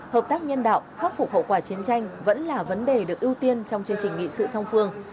hợp tác nhân đạo khắc phục hậu quả chiến tranh vẫn là vấn đề được ưu tiên trong chương trình nghị sự song phương